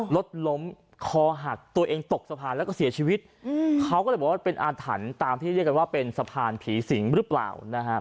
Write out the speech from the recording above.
รถล้มคอหักตัวเองตกสะพานแล้วก็เสียชีวิตเขาก็เลยบอกว่าเป็นอาถรรพ์ตามที่เรียกกันว่าเป็นสะพานผีสิงหรือเปล่านะครับ